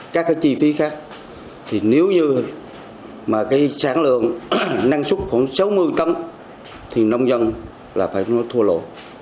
các cái chi phí khác thì nếu như mà cái sản lượng năng suất khoảng sáu mươi tấn thì nông dân là phải thua lỗ